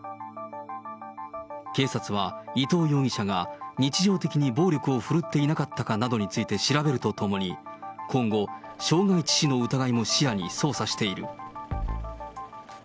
警察は、伊藤容疑者が日常的に暴力を振るっていなかったかなどについて調べるとともに、今後、傷害致死の疑いも視野に捜査している。